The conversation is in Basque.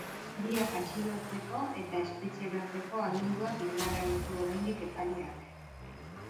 Biak atxilotzeko eta espetxeratzeko aginduak indarrean ditu oraindik epaileak.